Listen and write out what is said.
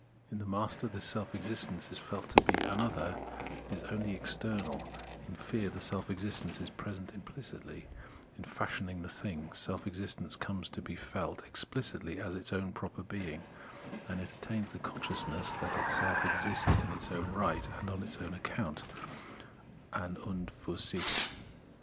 In the master, this self existence is felt to be an other, is only external ; in fear, the self existence is present implicitly ; in fashion ing the thing, self existence comes to be felt ex plicitly as its own proper being, and it attains the consciousness that itself exists in its own right and on its own account {an und fur sich).